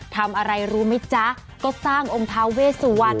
ทำอะไรรู้ไหมจ๊ะก็สร้างองค์ท้าเวสวรรณ